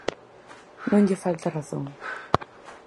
Non lle falta razón.